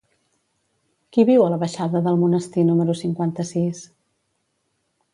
Qui viu a la baixada del Monestir número cinquanta-sis?